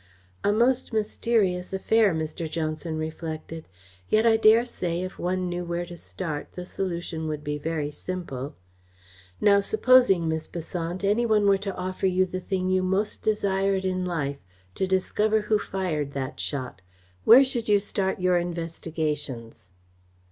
"A most mysterious affair!" Mr. Johnson reflected. "Yet I dare say, if one knew where to start, the solution would be very simple. Now, supposing, Miss Besant, any one were to offer you the thing you most desired in life to discover who fired that shot, where should you start your investigations?"